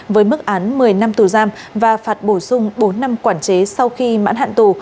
với mức án một mươi năm tù giam và phạt bổ sung bốn năm quản chế sau khi mãn hạn tù